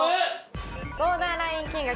ボーダーライン金額